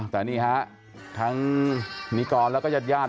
แต่นี่ค่ะทั้งนิกรท์และเย็ด